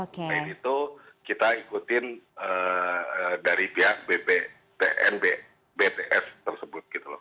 dan itu kita ikutin dari pihak bpnb bts tersebut gitu loh